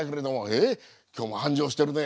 えっ今日も繁盛してるね。